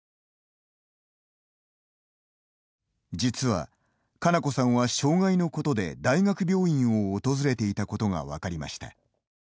実は、佳菜子さんは障害のことで大学病院を訪れていたことが分かりました。